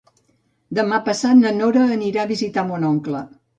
Demà passat na Nora anirà a visitar mon oncle.